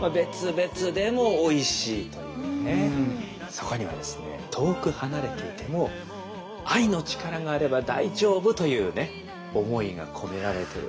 そこにはですね遠く離れていても愛の力があれば大丈夫というね思いが込められてる。